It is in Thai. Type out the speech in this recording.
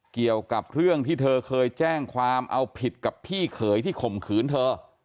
เกี่ยวกับเรื่องที่เธอเคยแจ้งความเอาผิดกับพี่เขยที่ข่มขืนเธอ